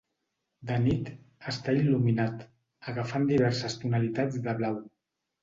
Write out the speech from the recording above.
De nit, està il·luminat, agafant diverses tonalitats de blau.